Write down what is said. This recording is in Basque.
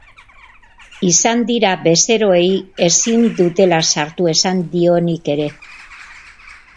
Izan dira bezeroei ezin dutela sartu esan dionik ere.